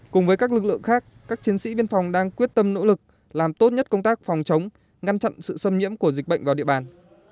cùng với các lực lượng khác các chiến sĩ biên phòng đang quyết tâm nỗ lực làm tốt nhất công tác phòng chống ngăn chặn sự xâm nhiễm của dịch bệnh vào địa bàn